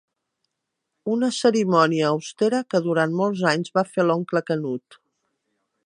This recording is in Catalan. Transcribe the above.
Una cerimònia austera que durant molts anys va fer l'oncle Canut.